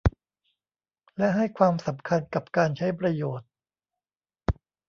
และให้ความสำคัญกับการใช้ประโยชน์